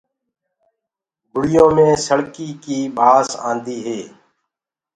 گُݪيو مي سݪڪيٚ ڪيٚ ٻآس آندي هي۔